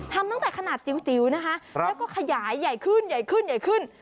ทำตั้งแต่ขนาดจิ๋วนะคะแล้วก็ขยายใหญ่ขึ้นใหญ่ขึ้นใหญ่ขึ้น